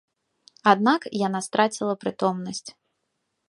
Аднак яна страціла прытомнасць.